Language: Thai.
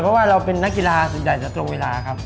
เพราะว่าเราเป็นนักกีฬาส่วนใหญ่จะตรงเวลาครับ